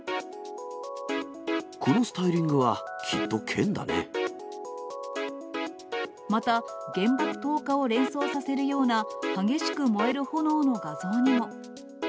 このスタイリングは、また、原爆投下を連想させるような激しく燃える炎の画像にも。